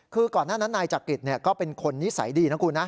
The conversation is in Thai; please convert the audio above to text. คือก่อนหน้านั้นนายจักริตก็เป็นคนนิสัยดีนะคุณนะ